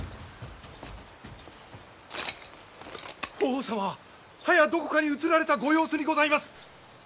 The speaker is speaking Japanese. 法皇様は早どこかに移られたご様子にございます！